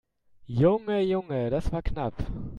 Junge, Junge, das war knapp!